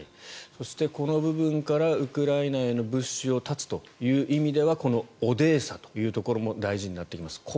そして、この部分からウクライナへの物資を断つという意味ではこのオデーサというところも大事になってきます。